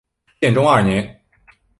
建中二年。